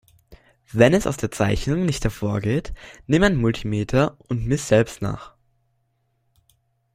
Wenn es aus der Zeichnung nicht hervorgeht, nimm ein Multimeter und miss selbst nach.